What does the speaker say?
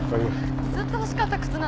ずっと欲しかった靴なんです。